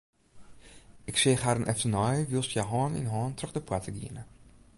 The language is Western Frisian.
Ik seach harren efternei wylst hja hân yn hân troch de poarte giene.